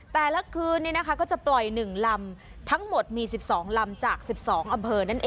แต่ละคืนนี้นะคะก็จะปล่อย๑ลำทั้งหมดมี๑๒ลำจาก๑๒อเผิร์นั่นเองค่ะ